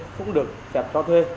không được kẹp cho thuê